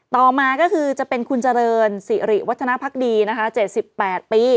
ต่อมาก็คือจะเป็นคุณเจริญสิริวัฒนภักดีนะคะ๗๘ปี